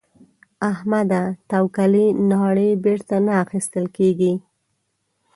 احمده؛ توکلې ناړې بېرته نه اخيستل کېږي.